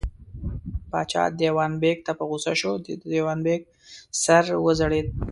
پاچا دېوان بېګ ته په غوسه شو، د دېوان بېګ سر وځړېد.